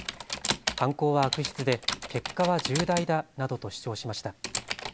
犯行は悪質で結果は重大だなどと主張しました。